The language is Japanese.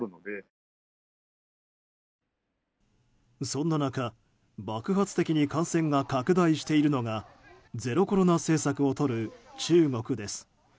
そんな中、爆発的に感染が拡大しているのがゼロコロナ政策をとる中国です。